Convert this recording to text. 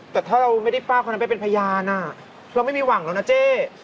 แต่ถ้าเราไม่ได้ป้าคนนั้นไปเป็นพยานเราไม่มีหวังแล้วนะเจ๊